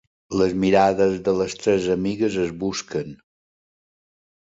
Les mirades de les tres amigues es busquen.